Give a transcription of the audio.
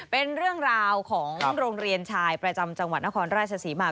เป็นเรื่องราวของโรงเรียนชายประจำจังหวัดนครราชศรีมา